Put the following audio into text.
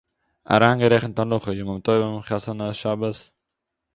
אַריינגערעכנט הלכה, ימים טובים, חתונה, שבת